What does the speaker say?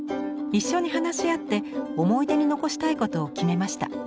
一緒に話し合って思い出に残したいことを決めました。